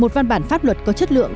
một văn bản pháp luật có chất lượng